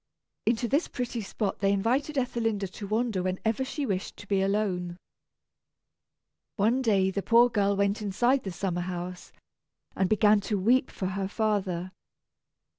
Into this pretty spot they invited Ethelinda to wander when ever she wished to be alone. One day the poor girl went inside the summer house, and began to weep for her father.